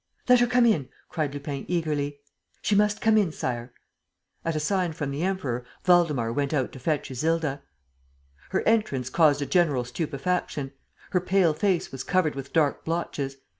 "Let her come in." cried Lupin, eagerly. "She must come in, Sire." At a sign from the Emperor, Waldemar went out to fetch Isilda. Her entrance caused a general stupefaction. Her pale face was covered with dark blotches.